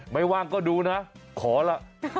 ไม่ว่างก็ดูนะขอล่ะ